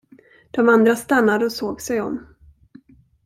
Den andra stannade och såg sig om.